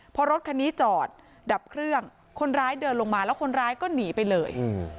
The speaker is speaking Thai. พอรถคันนี้จอดดับเครื่องคนร้ายเดินลงมาแล้วคนร้ายก็หนีไปเลย